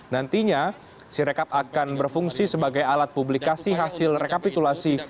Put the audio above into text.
nantinya sirekap akan berfungsi sebagai alat publikasi hasil rekapitulasi